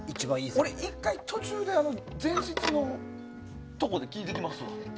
俺、１回途中で前室のところで聴いてきますわ。